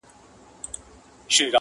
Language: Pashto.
ما به کیسه درته کول، راڅخه ورانه سوله!